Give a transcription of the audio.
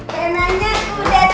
rananya udah cantik nih